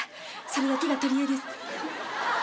それだけが取りえです。